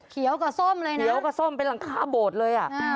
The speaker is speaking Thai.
กับส้มเลยนะเขียวกับส้มเป็นหลังคาโบดเลยอ่ะ